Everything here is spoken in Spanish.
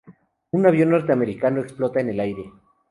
Un avión norteamericano explota en el aire.